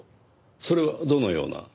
それはどのような？